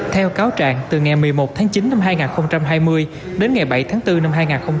theo cáo trạng từ ngày một mươi một tháng chín năm hai nghìn hai mươi đến ngày bảy tháng bốn năm hai nghìn hai mươi